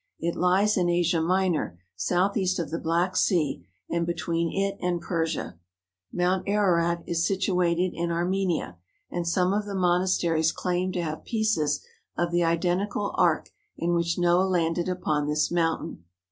It lies in Asia Minor, southeast of the Black Sea and between it and Persia. Mount Ararat is situated in Armenia, and some of the monasteries claim to have pieces of the identical ark in which Noah landed upon this mountain.